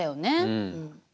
うん。